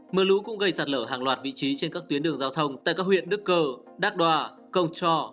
mưa lũ cũng gây sạt lở hàng loạt vị trí trên các tuyến đường giao thông tại các huyện đức cờ đắc đoa krongcho